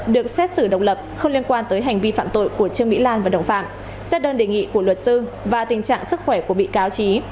được xét xử độc lập không liên quan tới hành vi phạm tội của trương mỹ lan và đồng phạm xét đơn đề nghị của luật sư và tình trạng sức khỏe của bị cáo trí